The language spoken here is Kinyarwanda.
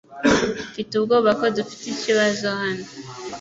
Mfite ubwoba ko dufite ikibazo hano.